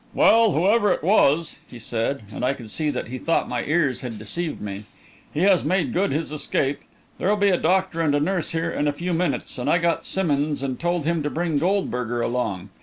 "Well, whoever it was," he said, and I could see that he thought my ears had deceived me, "he has made good his escape. There'll be a doctor and a nurse here in a few minutes, and I got Simmonds and told him to bring Goldberger along.